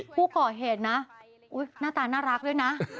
ผู้ก่อเหตุนะหน้าตาน่ารักด้วยนะ